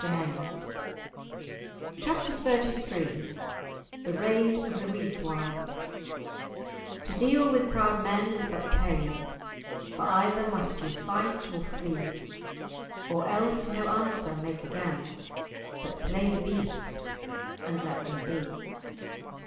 *Chapter XXXIII* *The Raid of the Reidswire* "To deal with proud men is but pain, For either must ye fight or flee, Or else no answer make again, But play the beast, and let them be."